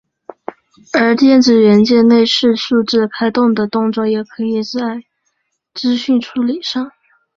而电子元件类似数字开关的动作也可以用在资讯处理上。